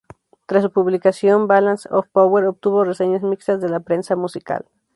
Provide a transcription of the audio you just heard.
Tras su publicación, "Balance of Power" obtuvo reseñas mixtas de la prensa musical.